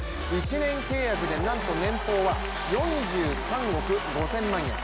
１年契約でなんと年俸は４３億５０００万円。